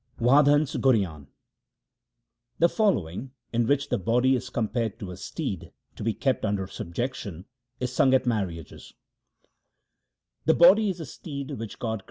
Wadhans Ghorian The following, in which the body is compared to a steed to be kept under subjection, is sung at marriages :— The body is a steed which God created.